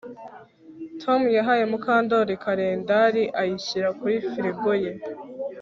Tom yahaye Mukandoli kalendari ayishyira kuri firigo ye